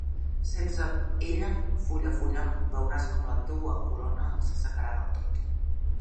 Sense ella, fulla a fulla, veuràs com la teua corona, s'assecarà del tot.